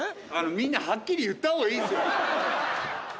みんなはっきり言った方がいいっすよ！